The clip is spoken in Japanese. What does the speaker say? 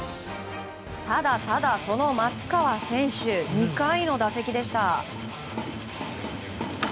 ただただ、その松川選手２回の打席でした。